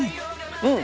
うん！